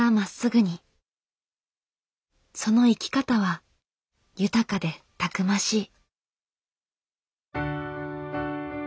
その生き方は豊かでたくましい。